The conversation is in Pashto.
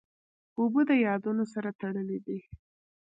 اوبه د یادونو سره تړلې دي.